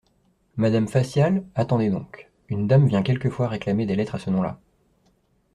Madame Facial ? Attendez donc … Une dame vient quelquefois réclamer des lettres à ce nom-là.